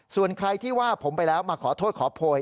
ส่วนใครที่ว่าผมไปแล้วมาขอโทษขอโพย